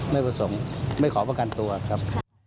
ไม่ประสงค์ไม่ขอประกันตัวครับ